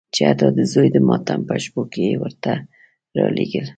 چې حتی د زوی د ماتم په شپو کې یې ورته رالېږل.